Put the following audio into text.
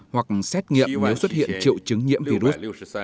hoặc xét nghiệm nếu xuất hiện triệu chứng nhiễm virus